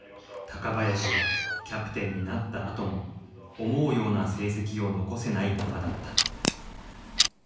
高林はキャプテンになったあとも思うような成績を残せないままだった。